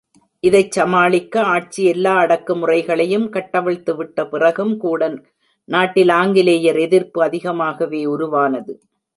இதைச் சமாளிக்க ஆட்சி எல்லா அடக்குமுறைகளையும் கட்டவிழ்த்து விட்ட பிறகும் கூட நாட்டில் ஆங்கிலேயர் எதிர்ப்பு அதிகமாகவே உருவானது.